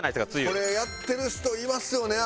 これやってる人いますよね